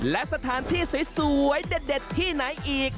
และสถานที่สวยเด็ดที่ไหนอีก